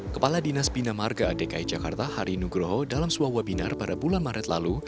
kepala dinas bina marga dki jakarta hari nugroho dalam sebuah webinar pada bulan maret lalu